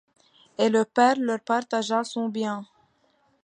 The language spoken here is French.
Et le père leur partagea son bien.